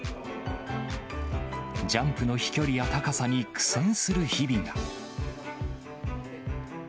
ジャンプの飛距離や高さに苦戦する日々が。